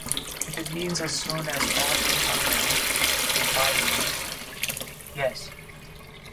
If it means as soon as all things are ready, say five days, yes.